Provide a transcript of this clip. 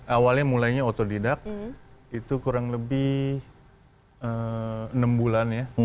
awalnya mulainya otodidak itu kurang lebih enam bulan ya